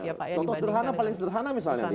contoh sederhana paling sederhana misalnya